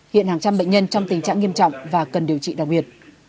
hiện hàng trăm bệnh nhân trong tình trạng nghiêm trọng và cần điều trị đặc biệt